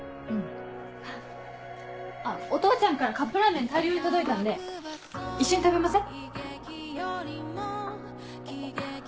お父ちゃんからカップラーメン大量に届いたんで一緒に食べません？